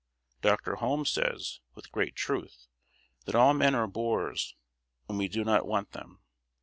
Dr. Holmes says, with great truth, that all men are bores when we do not want them.